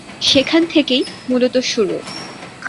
সেখান থেকেই মূলত শুরু।